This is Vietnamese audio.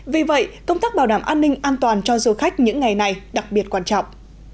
vì vậy công tác bảo đảm an ninh an toàn cho du khách những ngày này đặc biệt quan trọng